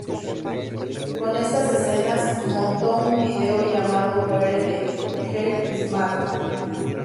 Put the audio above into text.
Con estas escenas montó un vídeo llamado Where the Hell is Matt?